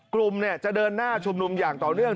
กลุ่มเนี่ยจะเดินหน้าชุมนุมอย่างต่อเดือน